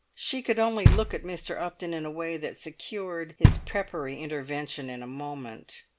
She could only look at Mr. Upton in a way that secured his peppery intervention in a moment.